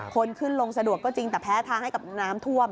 คนขึ้นลงสะดวกก็จริงแต่แพ้ทางให้กับน้ำท่วม